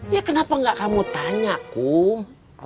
ya kenapa gak kamu tanya kum